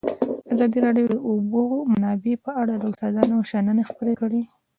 ازادي راډیو د د اوبو منابع په اړه د استادانو شننې خپرې کړي.